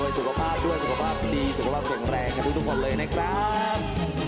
สุขภาพด้วยสุขภาพดีสุขภาพแข็งแรงครับทุกคนเลยนะครับ